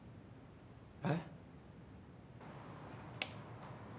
えっ？